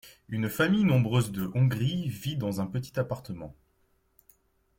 Une famille nombreuse de Hongrie vit dans un petit appartement.